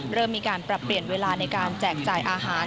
เริ่มมีการปรับเปลี่ยนเวลาในการแจกจ่ายอาหาร